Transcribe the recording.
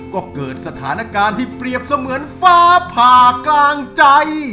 ก็เกิดสถานการณ์ที่เปรียบเสมือนฟ้าผ่ากลางใจ